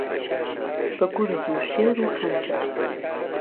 به گورز و شێر و خهنجەر